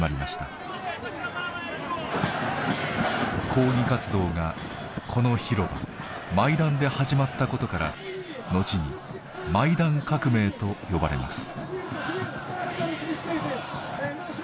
抗議活動がこの広場マイダンで始まったことから後に「マイダン革命」と呼ばれます。